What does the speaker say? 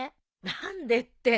何でって。